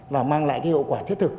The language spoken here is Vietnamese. và mang lại cái hậu quả thiết thực